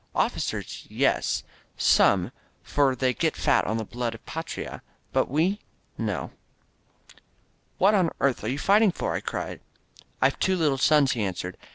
Officers, yes — some — for they get fat on the blood of the Fatria. But we — ^no." "What on earth are you fighting for?" I cried. "I have two little sons," he answered.